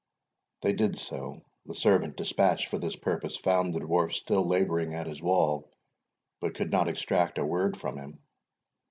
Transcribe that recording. They did so. The servant dispatched for this purpose found the Dwarf still labouring at his wall, but could not extract a word from him.